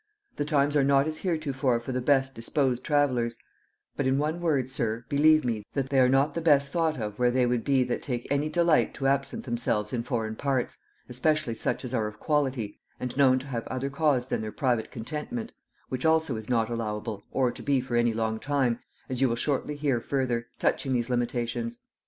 The times are not as heretofore for the best disposed travellers: but in one word, sir, believe me, they are not the best thought of where they would be that take any delight to absent themselves in foreign parts, especially such as are of quality, and known to have no other cause than their private contentment; which also is not allowable, or to be for any long time, as you will shortly hear further; touching these limitations.